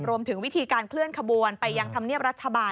รวมถึงวิธีการเคลื่อนขบวนไปยังธรรมเนียบรัฐบาล